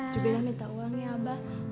juga minta uang ya abah